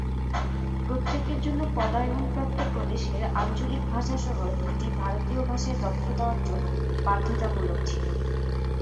প্রত্যেকের জন্য পদায়নপ্রাপ্ত প্রদেশের আঞ্চলিক ভাষাসহ দুটি ভারতীয় ভাষায় দক্ষতা অর্জন বাধ্যতামূলক ছিল।